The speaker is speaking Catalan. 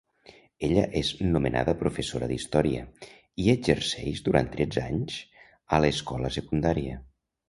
Ella és nomenada professora d'història i exerceix durant tretze anys a l'escola secundària.